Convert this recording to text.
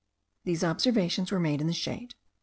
These observations were made in the shade.